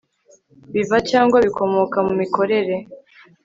biva cyangwa bikomoka mu mikorere